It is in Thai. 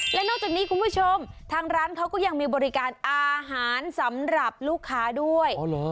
และนอกจากนี้คุณผู้ชมทางร้านเขาก็ยังมีบริการอาหารสำหรับลูกค้าด้วย